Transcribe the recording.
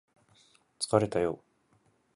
疲れたよ